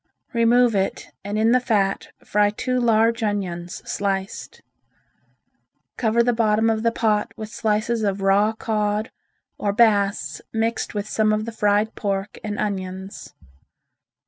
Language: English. Remove it and in the fat fry two large onions sliced. Cover the bottom of the pot with slices of raw cod or bass mixed with some of the fried pork and onions.